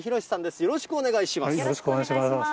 よろしくお願いします。